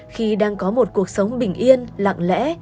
khi đang có một cuộc sống bình yên lặng lẽ